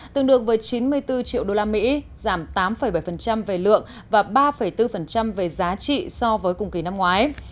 tương đương với chín mươi bốn triệu usd giảm tám bảy về lượng và ba bốn về giá trị so với cùng kỳ năm ngoái